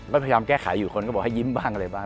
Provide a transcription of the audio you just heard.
พยายามแก้ไขอยู่คนก็บอกให้ยิ้มบ้างอะไรบ้าง